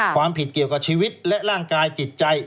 ความผิดเกี่ยวกับชีวิตและร่างกายจิตใจ